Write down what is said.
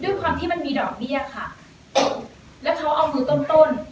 ด้วยความที่มันมีดอกเบี้ยค่ะและเขาเอามือต้น